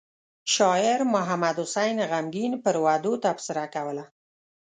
شاعر محمد حسين غمګين پر وعدو تبصره کوله.